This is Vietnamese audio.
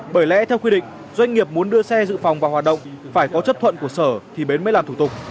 bởi lẽ theo quy định doanh nghiệp muốn đưa xe dự phòng vào hoạt động phải có chấp thuận của sở thì bến mới làm thủ tục